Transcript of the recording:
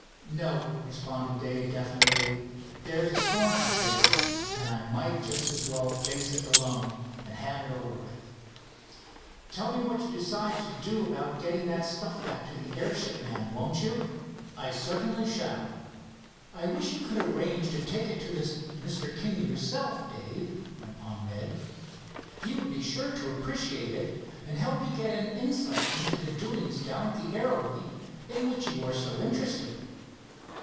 "No," responded Dave definitely. "There's a storm to face, and I might just as well face it alone and have it over with." "Tell me what you decide to do about getting that stuff back to the airship man, won't you?" "I certainly shall." "I wish you could arrange to take it to this Mr. King yourself, Dave," went on Ned. "He would be sure to appreciate it, and help you get an insight into the doings down at the aero meet in which you are so interested.